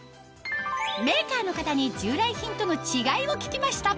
メーカーの方に従来品との違いを聞きました